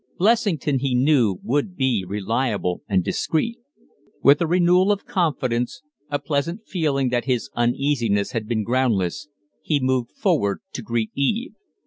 Blessington he knew would be reliable and discreet. With a renewal of confidence a pleasant feeling that his uneasiness had been groundless he moved forward to greet Eve.